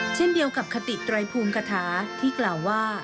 เช่นเดียวกับคติไตรภูมิกฐาที่กล่าวว่า